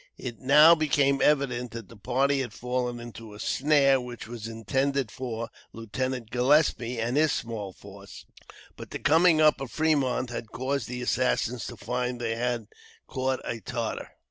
It now became evident that the party had fallen into a snare which was intended for Lieutenant Gillespie and his small force, but the coming up of Fremont had caused the assassins to find they had caught a Tartar.